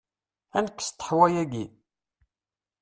Ad nekkes ṭeḥwa-agi?